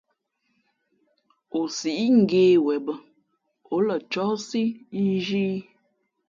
O sǐʼ ngě wen bᾱ, ǒ lα cóhsí nzhī ī .